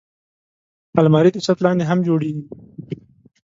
الماري د چت لاندې هم جوړېږي